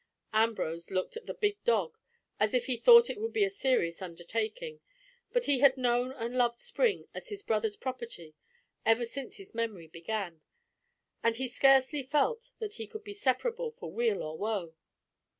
Ambrose looked at the big dog as if he thought it would be a serious undertaking, but he had known and loved Spring as his brother's property ever since his memory began, and he scarcely felt that they could be separable for weal or woe.